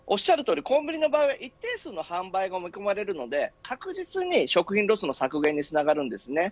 コンビニの場合は一定数の販売が見込まれるので確実に食品ロスの削減につながるんですね。